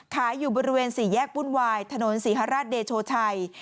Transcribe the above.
ขายอยู่บริเวณศรีแยกบุญวายถนนศรีฮราชเดชโชชัย